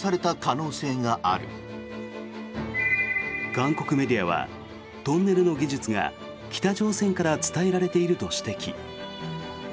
韓国メディアはトンネルの技術が北朝鮮から伝えられていると指摘。